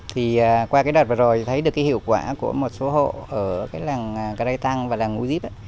thì qua đợt vừa rồi thấy được hiệu quả của một số hộ ở làng cà rây tăng và làng u díp